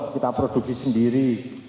kita produksi sendiri